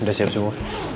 udah siap semua